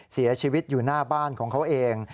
เสียชีวิตอยู่หน้าบ้านของเขาเอง